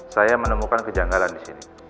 saya menemukan kejanggalan di sini